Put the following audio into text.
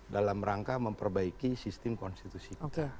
dalam rangka memperbaiki sistem konstitusi kita